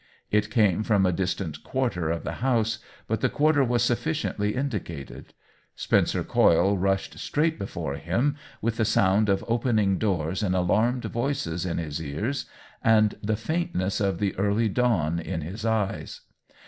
It came from a distant quarter of the house, but the quar ter was sufficiently indicated. Spencer Coyle rushed straight before him, with the sound of opening doors and alarmed voices in his ears, and the faintness of the early dawn 22© OWEN WINGRAVE in his eyes.